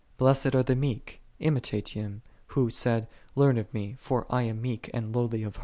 "" "Blessed are the meek;" imitate Him, Who said, " Learn of Me, for I am meek and lowly 7 Ps.